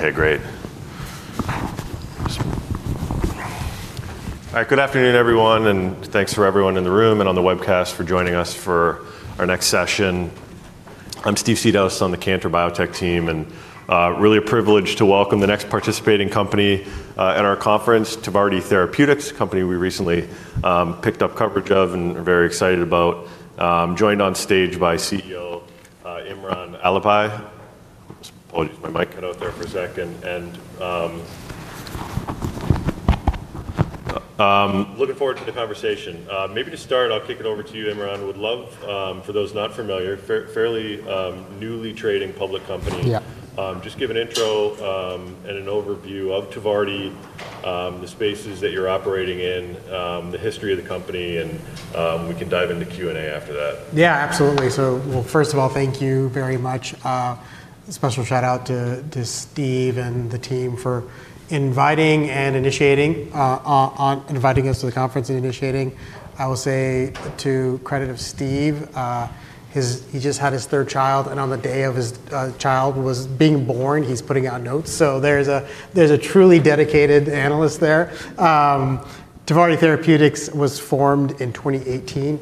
Okay, great. All right, good afternoon, everyone, and thanks for everyone in the room and on the webcast for joining us for our next session. I'm Steve Seedhouse on the Cantor Biotech team, and really a privilege to welcome the next participating company at our conference, Tvardi Therapeutics, a company we recently picked up coverage of and are very excited about. I'm joined on stage by CEO Imran Alibhai. Apologies if my mic got out there for a second. Looking forward to the conversation. Maybe to start, I'll kick it over to you, Imran. Would love, for those not familiar, a fairly newly trading public company. Yeah. Just give an intro and an overview of Tvardi Therapeutics, the spaces that you're operating in, the history of the company, and we can dive into Q&A after that. Yeah, absolutely. First of all, thank you very much. A special shout out to Steve and the team for inviting and initiating on inviting us to the conference and initiating. I will say to the credit of Steve, he just had his third child, and on the day of his child being born, he's putting out notes. There's a truly dedicated analyst there. Tvardi Therapeutics was formed in 2018.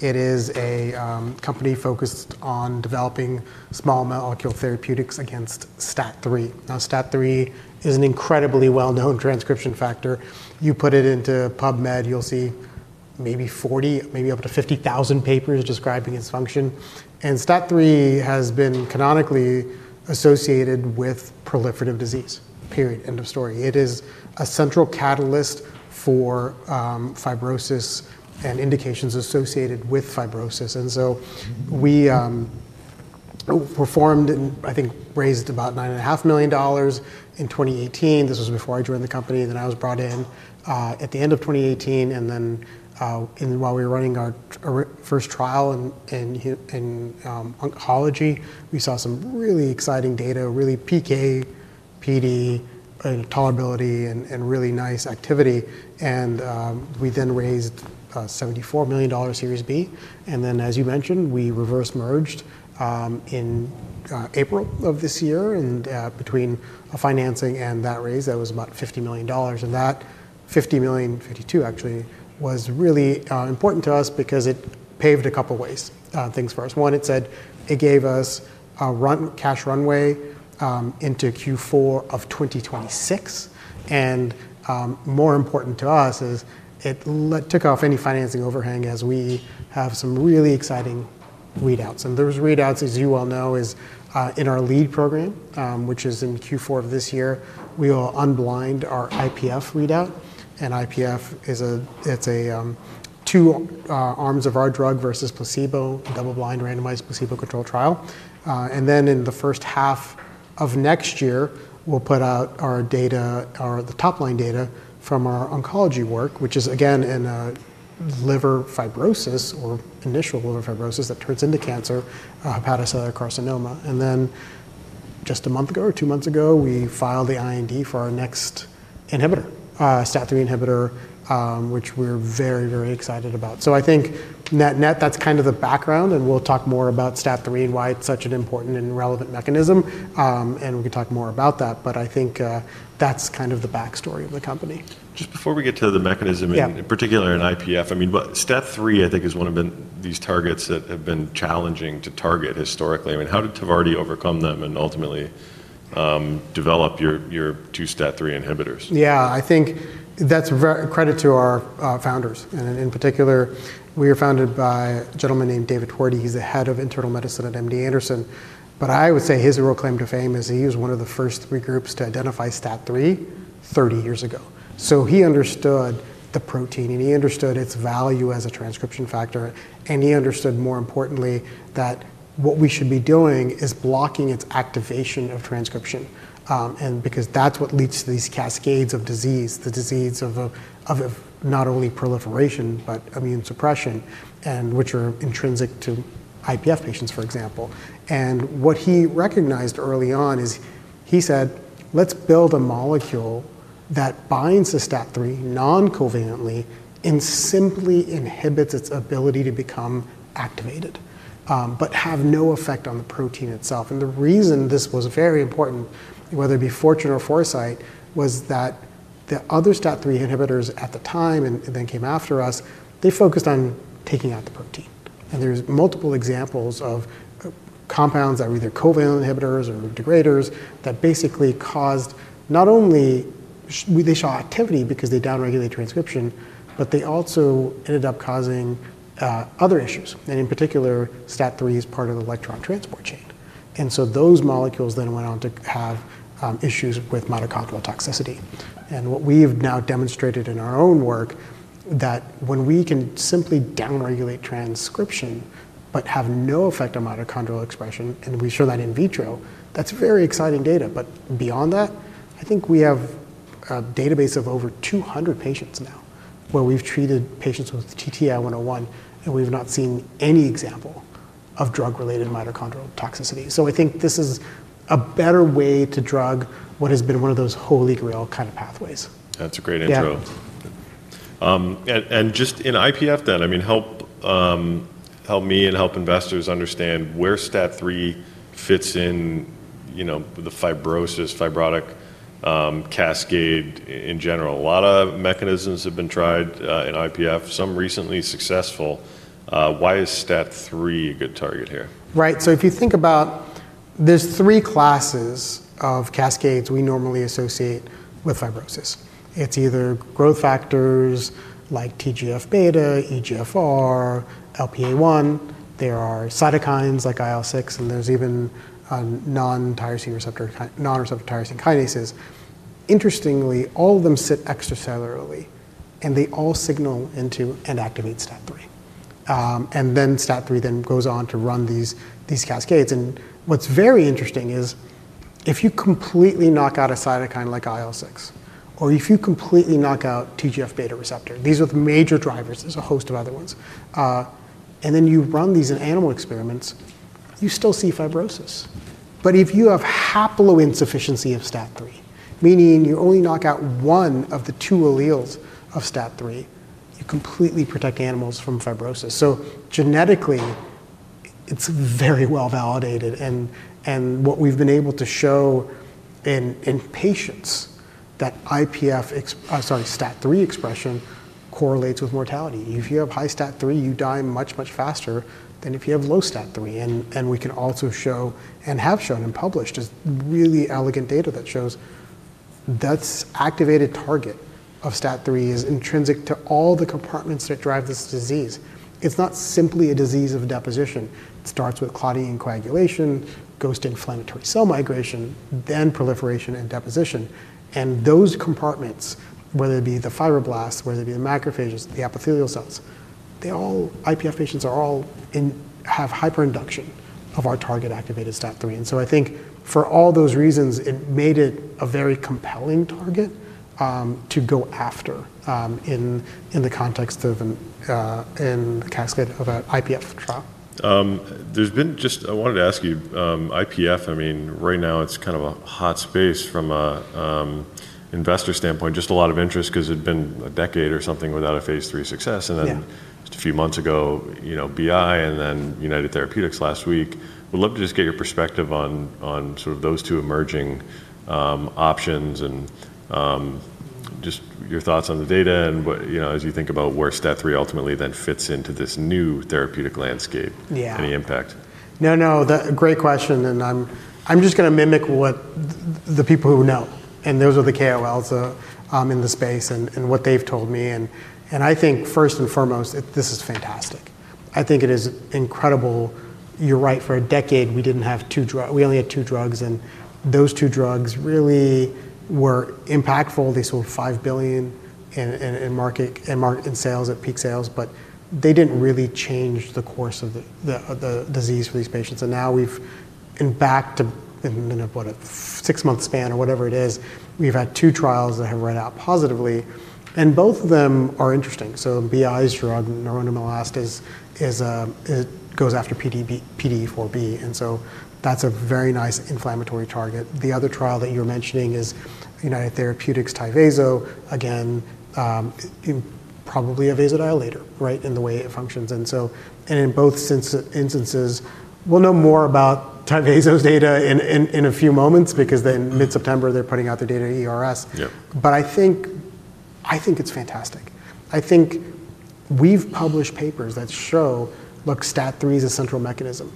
It is a company focused on developing small molecule therapeutics against STAT3. Now, STAT3 is an incredibly well-known transcription factor. You put it into PubMed, you'll see maybe 40,000 maybe up to 50,000 papers describing its function. STAT3 has been canonically associated with proliferative disease. Period. End of story. It is a central catalyst for fibrosis and indications associated with fibrosis. We were formed and I think raised about $9.5 million in 2018. This was before I joined the company, and then I was brought in at the end of 2018. While we were running our first trial in oncology, we saw some really exciting data, really PK PD, tolerability, and really nice activity. We then raised $74 million Series B. As you mentioned, we reverse merged in April of this year. Between financing and that raise, that was about $50 million. That $50 million, $52 million actually, was really important to us because it paved a couple of ways. Things first. One, it gave us a cash runway into Q4 of 2026. More important to us is it took off any financing overhang as we have some really exciting readouts. Those readouts, as you well know, are in our lead program, which is in Q4 of this year. We will unblind our IPF readout. IPF is a, it's a two arms of our drug versus placebo, double-blind randomized placebo-controlled trial. In the first half of next year, we'll put out our data, the top-line data from our oncology work, which is again in a liver fibrosis or initial liver fibrosis that turns into cancer, hepatocellular carcinoma. Just a month ago or two months ago, we filed the IND for our next inhibitor, STAT3 inhibitor, which we're very, very excited about. I think net-net, that's kind of the background. We'll talk more about STAT3 and why it's such an important and relevant mechanism. We can talk more about that. I think that's kind of the backstory of the company. Just before we get to the mechanism in particular and IPF, STAT3, I think, is one of these targets that have been challenging to target historically. How did Tvardi overcome them and ultimately develop your two STAT3 inhibitors? Yeah, I think that's credit to our founders. In particular, we are founded by a gentleman named David Tweardy. He's the Head of Internal Medicine at MD Anderson. I would say his real claim to fame is he was one of the first three groups to identify STAT3 30 years ago. He understood the protein, and he understood its value as a transcription factor. He understood, more importantly, that what we should be doing is blocking its activation of transcription because that's what leads to these cascades of disease, the disease of not only proliferation, but immune suppression, which are intrinsic to IPF patients, for example. What he recognized early on is he said, let's build a molecule that binds to STAT3 non-covalently and simply inhibits its ability to become activated, but have no effect on the protein itself. The reason this was very important, whether it be fortune or foresight, was that the other STAT3 inhibitors at the time and then came after us, they focused on taking out the protein. There are multiple examples of compounds that were either covalent inhibitors or degraders that basically caused not only they show activity because they down-regulate transcription, but they also ended up causing other issues. In particular, STAT3 is part of the electron transport chain. Those molecules then went on to have issues with mitochondrial toxicity. What we've now demonstrated in our own work is that when we can simply down-regulate transcription, but have no effect on mitochondrial expression, and we show that in vitro, that's very exciting data. Beyond that, I think we have a database of over 200 patients now where we've treated patients with TTI-101, and we've not seen any example of drug-related mitochondrial toxicity. I think this is a better way to drug what has been one of those holy grail kind of pathways. That's a great intro. Yeah. In IPF then, help me and help investors understand where STAT3 fits in the fibrosis, fibrotic cascade in general. A lot of mechanisms have been tried in IPF, some recently successful. Why is STAT3 a good target here? Right. If you think about it, there are three classes of cascades we normally associate with fibrosis. It's either growth factors like TGF-beta, EGFR, LPA-1, there are cytokines like IL-6, and there's even non-receptor tyrosine kinases. Interestingly, all of them sit extracellularly, and they all signal into and activate STAT3. STAT3 then goes on to run these cascades. What's very interesting is if you completely knock out a cytokine like IL-6, or if you completely knock out TGF-beta receptor, these are the major drivers. There's a host of other ones. When you run these in animal experiments, you still see fibrosis. If you have haploinsufficiency of STAT3, meaning you only knock out one of the two alleles of STAT3, you completely protect animals from fibrosis. Genetically, it's very well validated. What we've been able to show in patients is that STAT3 expression correlates with mortality. If you have high STAT3, you die much, much faster than if you have low STAT3. We can also show and have shown and published really elegant data that shows that activated target of STAT3 is intrinsic to all the compartments that drive this disease. It's not simply a disease of deposition. It starts with clotting and coagulation, goes to inflammatory cell migration, then proliferation and deposition. Those compartments, whether it be the fibroblasts, the macrophages, the epithelial cells, they all, IPF patients are all in, have hyperinduction of our target activated STAT3. I think for all those reasons, it made it a very compelling target to go after in the context of a cascade of an IPF trial. I wanted to ask you, IPF, I mean, right now it's kind of a hot space from an investor standpoint. There's just a lot of interest because it'd been a decade or something without a phase III success. Then just a few months ago, you know, BI and then United Therapeutics last week. We'd love to just get your perspective on sort of those two emerging options and your thoughts on the data and what, you know, as you think about where STAT3 ultimately then fits into this new therapeutic landscape. Yeah. Any impact? No, great question. I'm just going to mimic what the people who know, and those are the KOLs in the space and what they've told me. I think first and foremost, this is fantastic. I think it is incredible. You're right. For a decade, we only had two drugs. Those two drugs really were impactful. They sold $5 billion in market and sales at peak sales, but they didn't really change the course of the disease for these patients. Now we've been back to, in a, what, a six-month span or whatever it is, we've had two trials that have read out positively. Both of them are interesting. BI's drug, ninerandomilast, goes after PDE4B. That's a very nice inflammatory target. The other trial that you were mentioning is United Therapeutics' Tyvaso, again, probably a vasodilator, right, in the way it functions. In both instances, we'll know more about Tyvaso's data in a few moments because in mid-September they're putting out their data to ERS. I think it's fantastic. I think we've published papers that show, look, STAT3 is a central mechanism.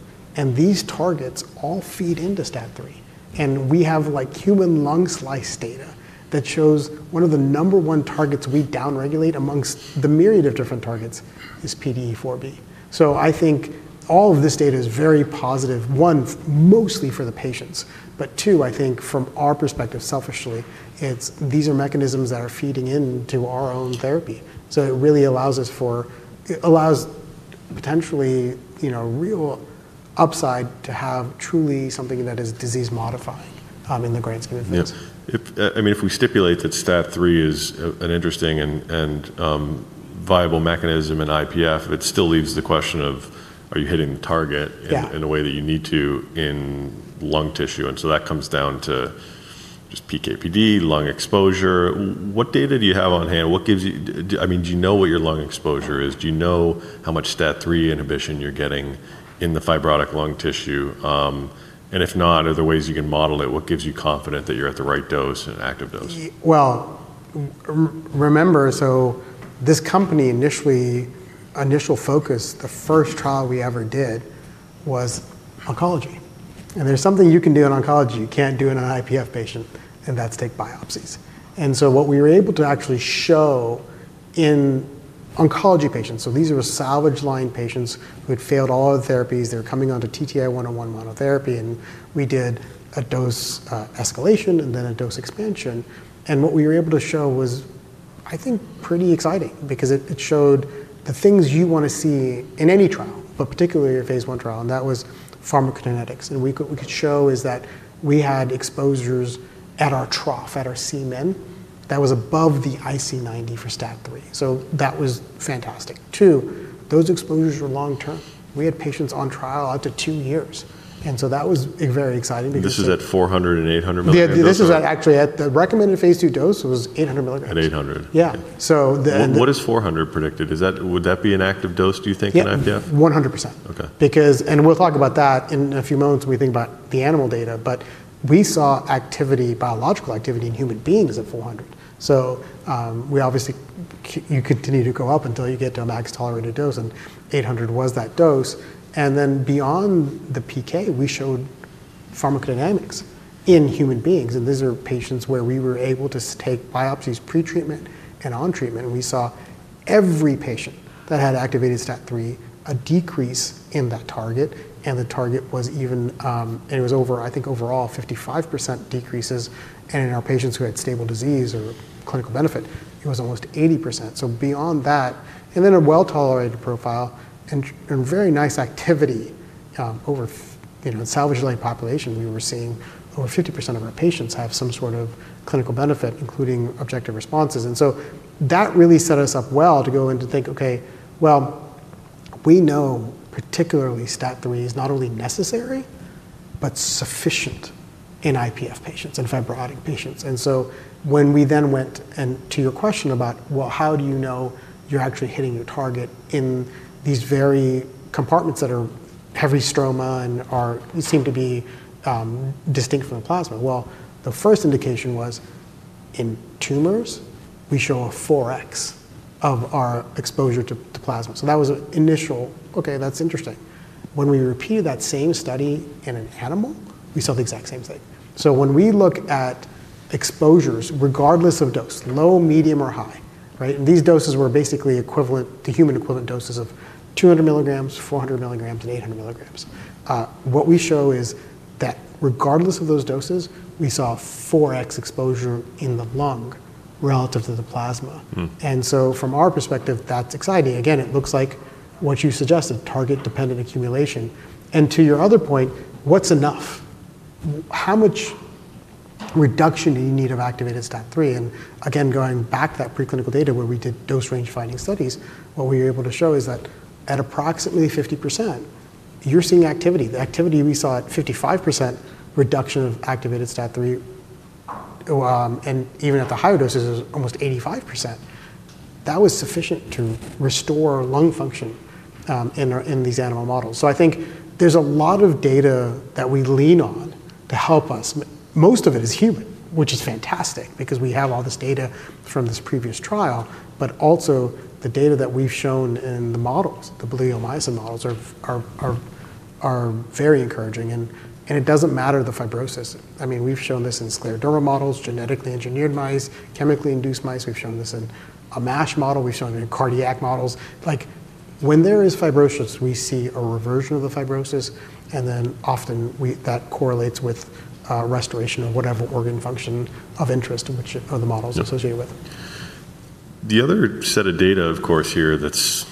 These targets all feed into STAT3. We have human lung slice data that shows one of the number one targets we down-regulate amongst the myriad of different targets is PDE4B. I think all of this data is very positive, one, mostly for the patients, but two, I think from our perspective, selfishly, these are mechanisms that are feeding into our own therapy. It really allows us for, it allows potentially, you know, a real upside to have truly something that is disease-modifying in the grand scheme of things. Yeah. If we stipulate that STAT3 is an interesting and viable mechanism in IPF, it still leaves the question of, are you hitting the target in a way that you need to in lung tissue? That comes down to just PK PD, lung exposure. What data do you have on hand? What gives you, I mean, do you know what your lung exposure is? Do you know how much STAT3 inhibition you're getting in the fibrotic lung tissue? If not, are there ways you can model it? What gives you confidence that you're at the right dose and active dose? This company initially, initial focus, the first trial we ever did was oncology. There is something you can do in oncology you can't do in an IPF patient, and that's take biopsies. What we were able to actually show in oncology patients, these were salvage line patients who had failed all other therapies. They were coming onto TTI-101 monotherapy, and we did a dose escalation and then a dose expansion. What we were able to show was, I think, pretty exciting because it showed the things you want to see in any trial, particularly your phase one trial, and that was pharmacokinetics. We could show that we had exposures at our trough, at our Cmin, that was above the IC90 for STAT3. That was fantastic. Two, those exposures were long-term. We had patients on trial up to two years. That was very exciting because. This is at 400 mg and 800 mg? This was actually at the recommended phase II dose, which was 800 mg. At 800 mg. Yeah, then. What is 400 mg predicted? Would that be an active dose, do you think? 100%. Because, and we'll talk about that in a few moments when we think about the animal data, we saw activity, biological activity in human beings at 400 mg. You continue to go up until you get to a max tolerated dose, and 800 mg was that dose. Beyond the PK, we showed pharmacodynamics in human beings. These are patients where we were able to take biopsies pre-treatment and on treatment. We saw every patient that had activated STAT3, a decrease in that target. The target was even, and it was over, I think, overall 55% decreases. In our patients who had stable disease or clinical benefit, it was almost 80%. Beyond that, a well-tolerated profile and very nice activity over, you know, salvage-related population, we were seeing over 50% of our patients have some sort of clinical benefit, including objective responses. That really set us up well to go in to think, okay, we know particularly STAT3 is not only necessary, but sufficient in IPF patients and fibrotic patients. When we then went to your question about how do you know you're actually hitting your target in these very compartments that are heavy stroma and these seem to be distinct from plasma? The first indication was in tumors, we show a 4X of our exposure to plasma. That was an initial, okay, that's interesting. When we repeated that same study in an animal, we saw the exact same thing. When we look at exposures, regardless of dose, low, medium, or high, right? These doses were basically equivalent to human equivalent doses of 200 mg, 400 mg, and 800 mg. What we show is that regardless of those doses, we saw 4X exposure in the lung relative to the plasma. From our perspective, that's exciting. Again, it looks like what you've suggested, target-dependent accumulation. To your other point, what's enough? How much reduction do you need of activated STAT3? Going back to that preclinical data where we did dose range finding studies, what we were able to show is that at approximately 50%, you're seeing activity. The activity we saw at 55% reduction of activated STAT3, and even at the higher doses is almost 85%. That was sufficient to restore lung function in these animal models. I think there's a lot of data that we lean on to help us. Most of it is human, which is fantastic because we have all this data from this previous trial, but also the data that we've shown in the models, the bleomycin models, are very encouraging. It doesn't matter the fibrosis. I mean, we've shown this in scleroderma models, genetically engineered mice, chemically induced mice. We've shown this in a MASH model. We've shown it in cardiac models. When there is fibrosis, we see a reversion of the fibrosis, and then often that correlates with restoration of whatever organ function of interest in which the models are associated with. The other set of data, of course, here that's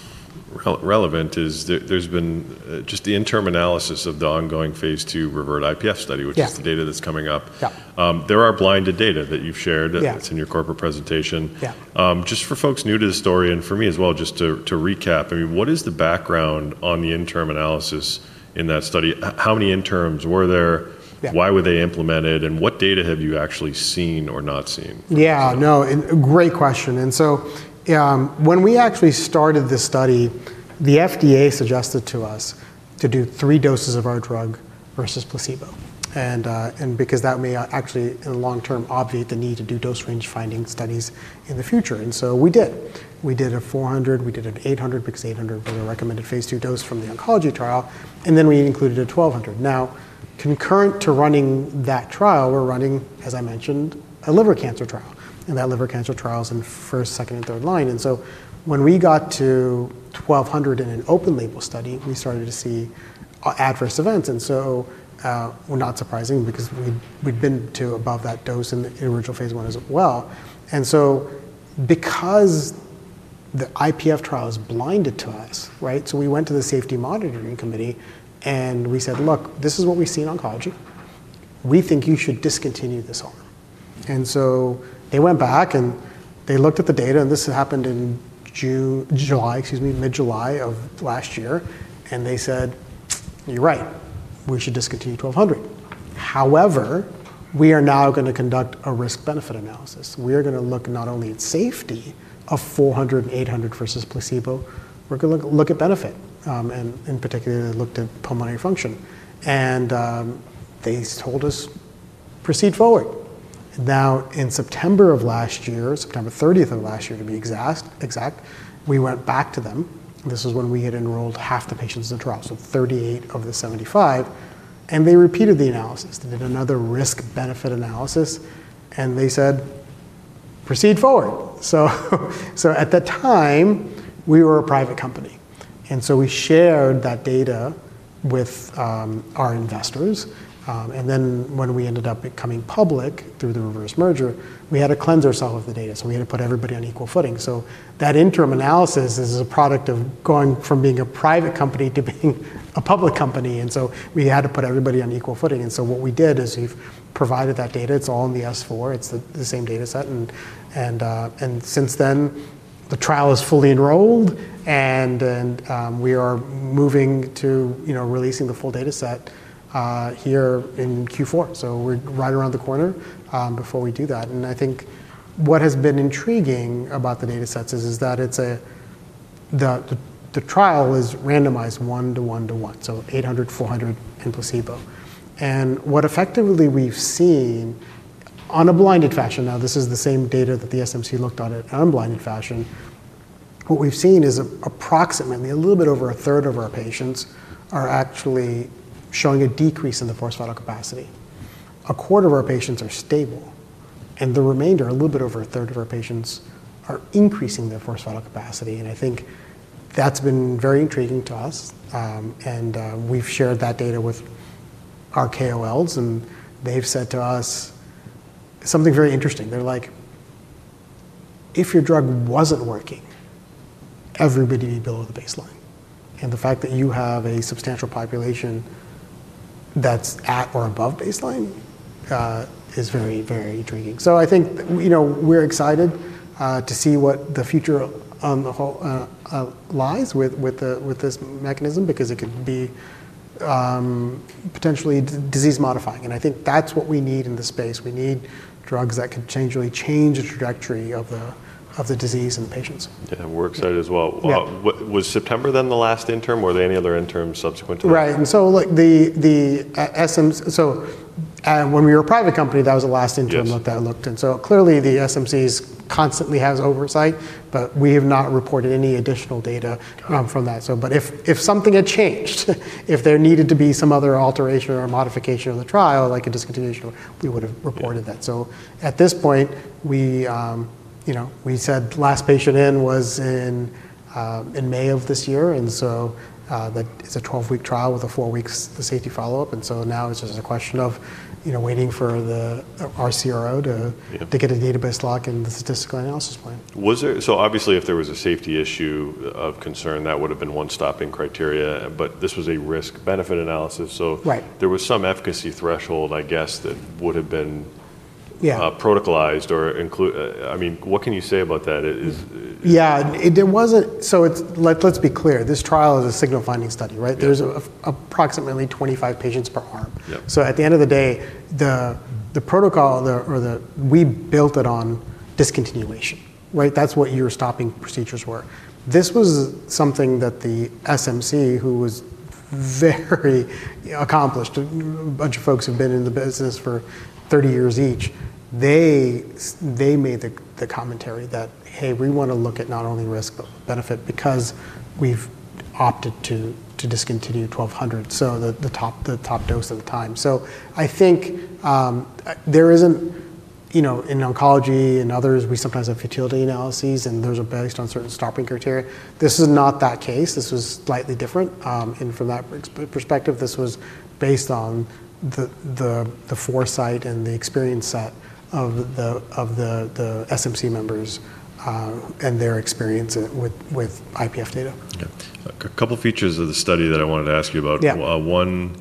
relevant is there's been just the interim analysis of the ongoing phase II REVERT IPF study, which is the data that's coming up. Yeah. There are blinded data that you've shared that's in your corporate presentation. Yeah. Just for folks new to the story and for me as well, just to recap, what is the background on the interim analysis in that study? How many interims were there? Why were they implemented? What data have you actually seen or not seen? Yeah, no, great question. When we actually started this study, the FDA suggested to us to do three doses of our drug versus placebo because that may actually, in the long- term, obviate the need to do dose range finding studies in the future. We did a 400 mg, we did an 800 mg, because 800 mg was a recommended phase II dose from the oncology trial, and then we included a 1,200 mg. Concurrent to running that trial, we're running, as I mentioned, a liver cancer trial. That liver cancer trial is in first, second, and third line. When we got to 1,200 mg in an open label study, we started to see adverse events, which was not surprising because we'd been to above that dose in the original phase I as well. Because the IPF trial is blinded to us, we went to the safety monitoring committee and we said, look, this is what we see in oncology. We think you should discontinue this arm. They went back and they looked at the data. This happened in June, July, excuse me, mid-July of last year. They said, you're right. We should discontinue 1,200 mg. However, we are now going to conduct a risk-benefit analysis. We are going to look not only at safety of 400 mg and 800 mg versus placebo, we're going to look at benefit and particularly look at pulmonary function. They told us, proceed forward. In September of last year, September 30th of last year, to be exact, we went back to them. This was when we had enrolled half the patients in the trial, so 38 of the 75. They repeated the analysis. They did another risk-benefit analysis and they said, proceed forward. At that time, we were a private company, and we shared that data with our investors. When we ended up becoming public through the reverse merger, we had to cleanse ourselves of the data. We had to put everybody on equal footing. That interim analysis is a product of going from being a private company to being a public company. We had to put everybody on equal footing. What we did is we've provided that data. It's all in the S4. It's the same data set. Since then, the trial is fully enrolled and we are moving to releasing the full data set here in Q4. We're right around the corner before we do that. I think what has been intriguing about the data sets is that the trial is randomized 1:1:1, so 800 mg, 400 mg, and placebo. What we've seen on a blinded fashion, now this is the same data that the SMC looked on in an unblinded fashion. What we've seen is approximately a little bit over a third of our patients are actually showing a decrease in the forced vital capacity. A quarter of our patients are stable. The remainder, a little bit over a third of our patients, are increasing their forced vital capacity. I think that's been very intriguing to us. We've shared that data with our KOLs, and they've said to us something very interesting. They're like, if your drug wasn't working, everybody would be below the baseline. The fact that you have a substantial population that's at or above baseline is very, very intriguing. I think we're excited to see what the future lies with this mechanism because it could be potentially disease-modifying. I think that's what we need in this space. We need drugs that could change the trajectory of the disease in patients. We're excited as well. Was September then the last interim? Were there any other interims subsequent to that? Right. Like the SMC, when we were a private company, that was the last interim that looked in. Clearly, the SMC constantly has oversight, but we have not reported any additional data from that. If something had changed, if there needed to be some other alteration or modification of the trial, like a discontinuation, we would have reported that. At this point, we said last patient in was in May of this year. It's a 12-week trial with a four-week safety follow-up. Now it's just a question of waiting for the RCRO to get a database lock and the statistical analysis plan. If there was a safety issue of concern, that would have been one stopping criteria. This was a risk-benefit analysis. Right. There was some efficacy threshold, I guess, that would have been. Yeah. Protocolized or included. I mean, what can you say about that? Yeah, there wasn't, let's be clear, this trial is a signal-finding study, right? There's approximately 25 patients per arm. At the end of the day, the protocol or the, we built it on discontinuation, right? That's what your stopping procedures were. This was something that the SMC, who was very accomplished, a bunch of folks who've been in the business for 30 years each, they made the commentary that, hey, we want to look at not only risk but benefit because we've opted to discontinue 1,200 mg, the top dose at the time. I think there isn't, you know, in oncology and others, we sometimes have futility analyses and those are based on certain stopping criteria. This is not that case. This was slightly different. From that perspective, this was based on the foresight and the experience set of the SMC members and their experience with IPF data. Okay. A couple of features of the study that I wanted to ask you about. One,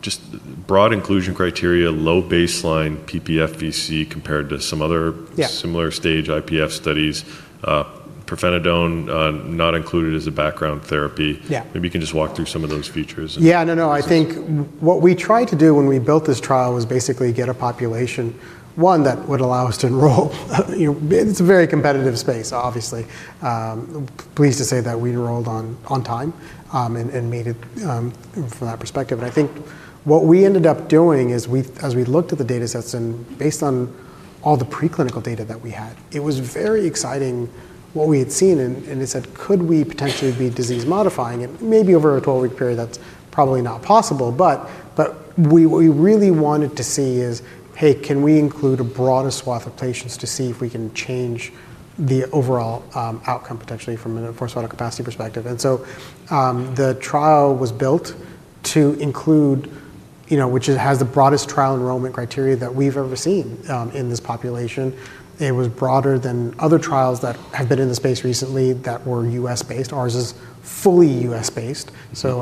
just broad inclusion criteria, low baseline ppFVC compared to some other. Yeah. Similar stage IPF studies. Pirfenidone not included as a background therapy. Yeah. Maybe you can just walk through some of those features. I think what we tried to do when we built this trial was basically get a population, one, that would allow us to enroll. It's a very competitive space, obviously. Pleased to say that we enrolled on time and made it from that perspective. I think what we ended up doing is, as we looked at the data sets and based on all the preclinical data that we had, it was very exciting what we had seen. They said, could we potentially be disease-modifying? Maybe over a 12-week period, that's probably not possible. What we really wanted to see is, hey, can we include a broader swath of patients to see if we can change the overall outcome potentially from a forced vital capacity perspective? The trial was built to include, you know, which has the broadest trial enrollment criteria that we've ever seen in this population. It was broader than other trials that have been in the space recently that were U.S.-based. Ours is fully U.S.-based.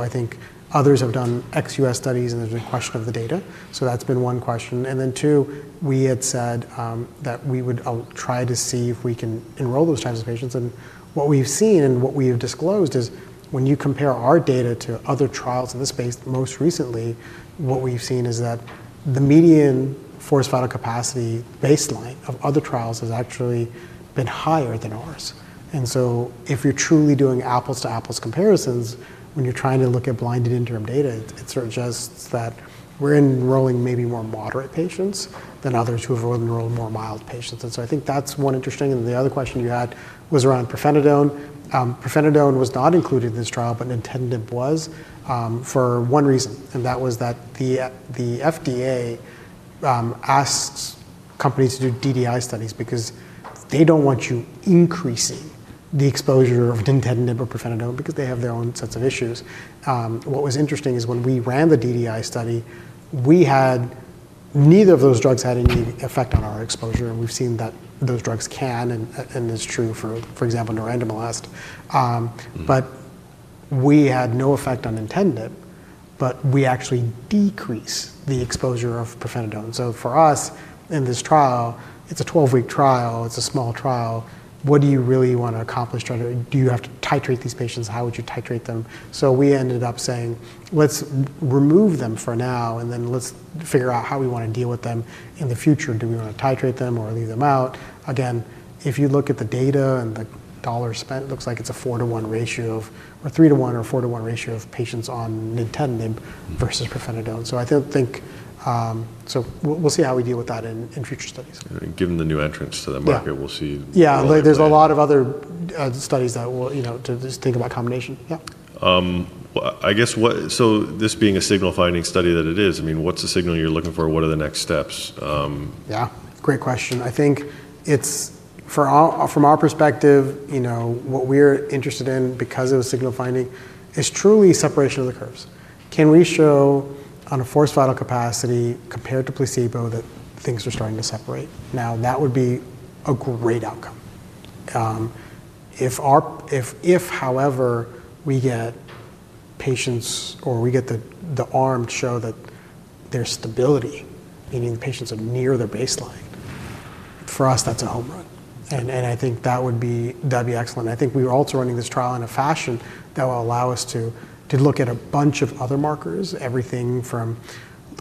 I think others have done ex-U.S. studies and there's a question of the data. That's been one question. Then two, we had said that we would try to see if we can enroll those kinds of patients. What we've seen and what we have disclosed is when you compare our data to other trials in the space, most recently, what we've seen is that the median forced vital capacity baseline of other trials has actually been higher than ours. If you're truly doing apples-to-apples comparisons, when you're trying to look at blinded interim data, it suggests that we're enrolling maybe more moderate patients than others who have enrolled more mild patients. I think that's one interesting. The other question you had was around pirfenidone. Pirfenidone was not included in this trial, but nintedanib was for one reason. That was that the FDA asks companies to do DDI studies because they don't want you increasing the exposure of nintedanib or pirfenidone because they have their own sets of issues. What was interesting is when we ran the DDI study, neither of those drugs had any effect on our exposure. We've seen that those drugs can, and it's true for, for example, nintedanib. We had no effect on nintedanib, but we actually decreased the exposure of pirfenidone. For us in this trial, it's a 12-week trial. It's a small trial. What do you really want to accomplish? Do you have to titrate these patients? How would you titrate them? We ended up saying, let's remove them for now and then let's figure out how we want to deal with them in the future. Do we want to titrate them or leave them out? Again, if you look at the data and the dollars spent, it looks like it's a 4: 1 ratio, or 3: 1 or 4: 1 ratio, of patients on nintedanib versus pirfenidone. I don't think, so we'll see how we deal with that in future studies. Given the new entrance to the market, we'll see. There are a lot of other studies that we'll, you know, just think about combination. This being a signal-finding study that it is, I mean, what's the signal you're looking for? What are the next steps? Yeah, great question. I think it's, from our perspective, you know, what we're interested in because of a signal-finding is truly separation of the curves. Can we show on a forced vital capacity compared to placebo that things are starting to separate? That would be a great outcome. If, however, we get patients or we get the arm to show that there's stability, meaning the patients are near their baseline, for us, that's a home run. I think that would be excellent. I think we were also running this trial in a fashion that will allow us to look at a bunch of other markers, everything from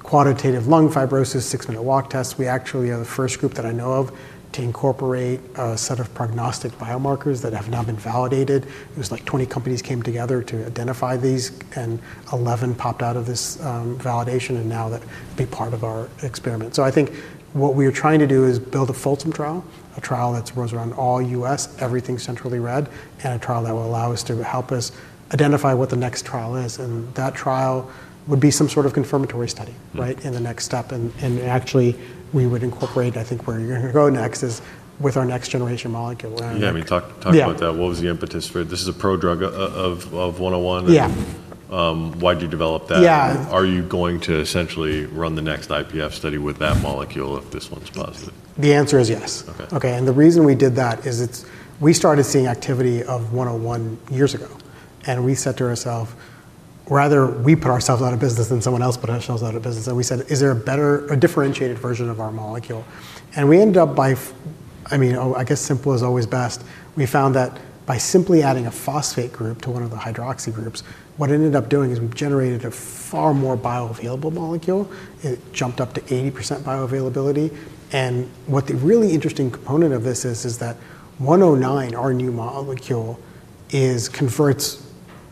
quantitative lung fibrosis, six-minute walk tests. We actually are the first group that I know of to incorporate a set of prognostic biomarkers that have not been validated. It was like 20 companies came together to identify these and 11 popped out of this validation and now that will be part of our experiment. I think what we were trying to do is build a fulsome trial, a trial that was around all U.S., everything centrally read, and a trial that will allow us to help us identify what the next trial is. That trial would be some sort of confirmatory study, right, in the next step. Actually, we would incorporate, I think where you're going to go next is with our next generation molecule. Yeah, we talked about that. What was the impetus for it? This is a prodrug of TTI-101. Yeah. Why did you develop that? Yeah. Are you going to essentially run the next IPF study with that molecule if this one's positive? The answer is yes. Okay. Okay. The reason we did that is we started seeing activity of 101 years ago. We said to ourselves, rather we put ourselves out of business than someone else put ourselves out of business. We said, is there a better, a differentiated version of our molecule? We ended up by, I mean, I guess simple is always best. We found that by simply adding a phosphate group to one of the hydroxyl groups, what it ended up doing is we generated a far more bioavailable molecule. It jumped up to 80% bioavailability. The really interesting component of this is that 109, our new molecule, converts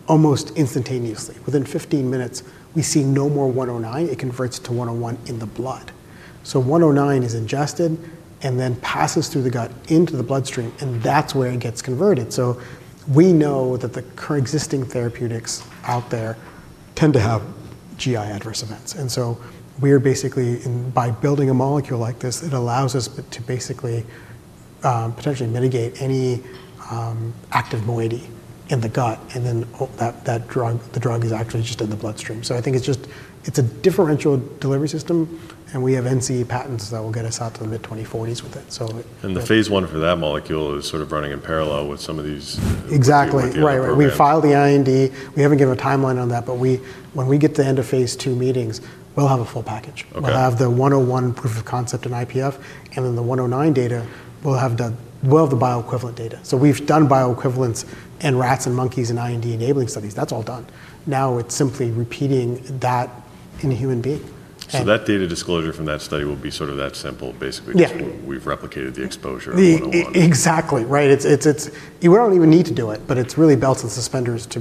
almost instantaneously. Within 15 minutes, we see no more 109. It converts to 101 in the blood. 109 is ingested and then passes through the gut into the bloodstream. That's where it gets converted. We know that the current existing therapeutics out there tend to have GI adverse events. We are basically, by building a molecule like this, it allows us to basically potentially mitigate any active moiety in the gut. That drug, the drug is actually just in the bloodstream. I think it's just, it's a differential delivery system. We have NC patents that will get us out to the mid-2040s with it. The phase I for that molecule is sort of running in parallel with some of these. Exactly. Right, right. We filed the IND. We haven't given a timeline on that. When we get to the end of phase II meetings, we'll have a full package. We'll have the 101 proof of concept in IPF, and then the 109 data, we'll have the bioequivalent data. We've done bioequivalents in rats and monkeys and IND enabling studies. That's all done. Now it's simply repeating that in a human being. That data disclosure from that study will be sort of that simple, basically. Yeah. We've replicated the exposure. Exactly, right? We don't even need to do it, but it's really belt and suspenders to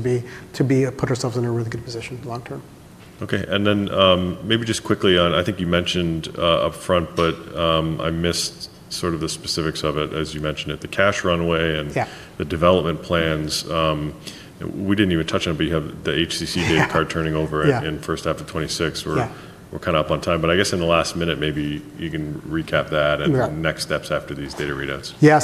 put ourselves in a really good position long term. Okay. Maybe just quickly on, I think you mentioned upfront, but I missed the specifics of it, as you mentioned it, the cash runway and the development plans. We didn't even touch on it, but you have the HCC data card turning over in the first half of 2026. Yeah. We're kind of up on time, but I guess in the last minute, maybe you can recap that and the next steps after these data readouts. Yeah.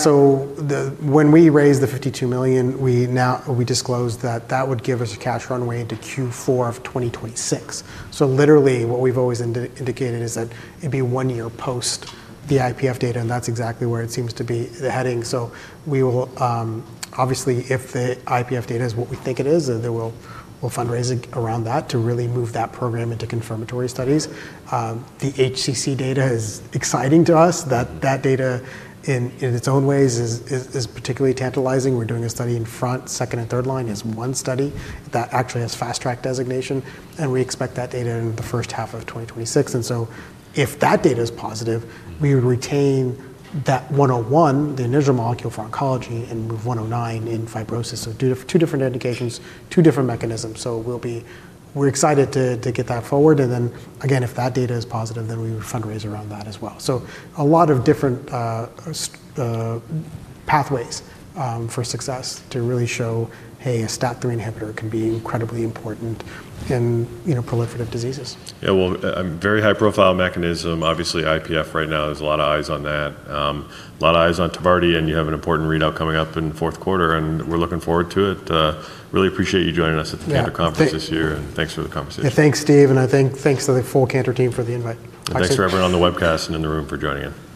When we raised the $52 million, we disclosed that that would give us a cash runway into Q4 of 2026. Literally, what we've always indicated is that it'd be one year post the IPF data, and that's exactly where it seems to be heading. Obviously, if the IPF data is what we think it is, then we'll fundraise around that to really move that program into confirmatory studies. The HCC data is exciting to us. That data in its own ways is particularly tantalizing. We're doing a study in front, second, and third line as one study that actually has fast-track designation. We expect that data in the first half of 2026. If that data is positive, we would retain that 101, the initial molecule for oncology, and move 109 in fibrosis. Two different indications, two different mechanisms. We're excited to get that forward. If that data is positive, then we would fundraise around that as well. A lot of different pathways for success to really show, hey, a STAT3 inhibitor can be incredibly important in proliferative diseases. Very high-profile mechanism. Obviously, IPF right now has a lot of eyes on that. A lot of eyes on Tvardi, and you have an important readout coming up in fourth quarter. We're looking forward to it. Really appreciate you joining us at the Conference this year. Thank you for the conversation. Thanks, Steve. Thanks to the full Cantor team for the invite. Thanks for everyone on the webcast and in the room for joining in. Thanks.